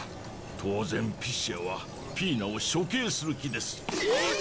当然ピシアはピイナを処刑する気です。えっ！？